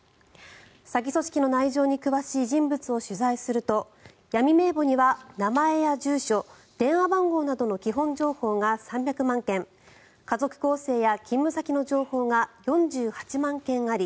詐欺組織の内情に詳しい人物を取材すると闇名簿には名前や住所電話番号などの基本情報が３００万件家族構成や勤務先の情報が４８万件あり